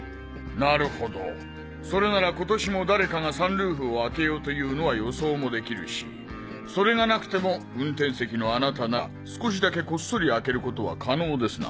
なるほどそれなら今年も誰かがサンルーフを開けようと言うのは予想もできるしそれがなくても運転席のあなたなら少しだけこっそり開けることは可能ですな。